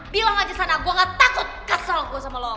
bilang aja sana gue gak takut kesel gue sama lo